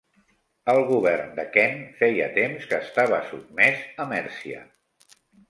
El govern de Kent feia temps que estava sotmès a Mèrcia.